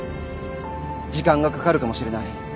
時間がかかるかもしれない